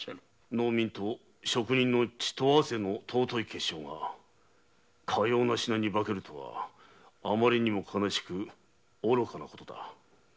農民と職人の血と汗の尊い結晶がかような品に化けるとはあまりにも悲しく愚かなことだ。